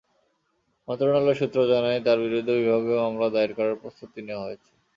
মন্ত্রণালয় সূত্র জানায়, তাঁর বিরুদ্ধে বিভাগীয় মামলা দায়ের করার প্রস্তুতি নেওয়া হয়েছে।